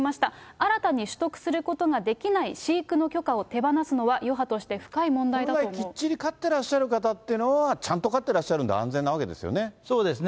新たに取得することができない飼育の許可を手放すのは、これ、きっちり飼ってらっしゃる方っていうのはちゃんと飼ってらっしゃそうですね。